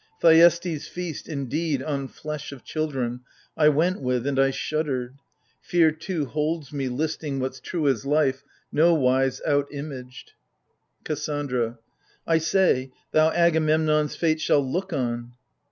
Thuestes' feast, indeed, on flesh of children, I went with, and I shuddered. Fear too holds me Listing what's true as life, nowise out imaged ! KASSANDRA. I say, thou Agamemnon's fate shalt look on